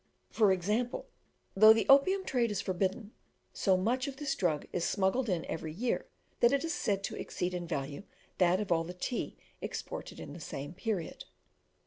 For example, though the opium trade is forbidden, so much of this drug is smuggled in every year, that it is said to exceed in value that of all the tea exported in the same period.